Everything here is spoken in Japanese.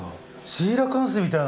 シーラカンスみたいな。